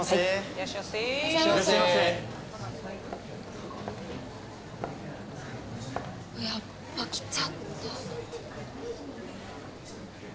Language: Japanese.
やばっ来ちゃった。